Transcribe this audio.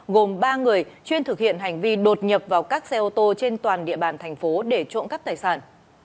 gồm ba người chuyên thực hiện hành vi đột nhập vào các xe ô tô trên toàn địa bàn thành phố để trộm cắp tài sản